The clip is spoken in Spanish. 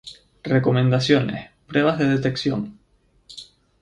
Recomendaciones: Pruebas de Detección